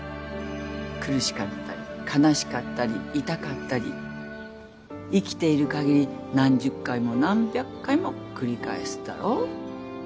苦しかったり悲しかったり痛かったり生きているかぎり何十回も何百回も繰り返すだろ？